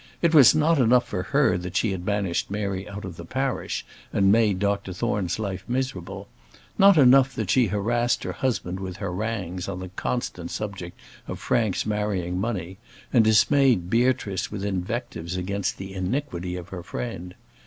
It was not enough for her that she had banished Mary out of the parish, and made Dr Thorne's life miserable; not enough that she harassed her husband with harangues on the constant subject of Frank's marrying money, and dismayed Beatrice with invectives against the iniquity of her friend.